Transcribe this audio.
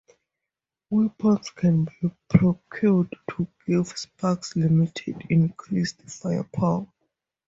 Weapons can be procured to give Sparx limited increased firepower.